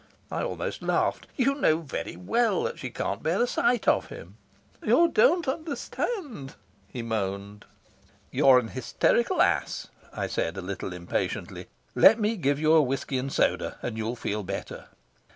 I almost laughed. "You know very well that she can't bear the sight of him." "You don't understand," he moaned. "You're an hysterical ass," I said a little impatiently. "Let me give you a whisky and soda, and you'll feel better."